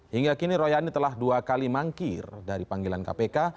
hingga kini royani telah dua kali mangkir dari panggilan kpk